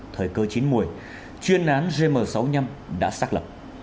thời cơ chín mùi chuyên án gm sáu mươi năm đã xác lập